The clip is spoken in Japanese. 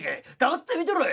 黙って見てろい！」。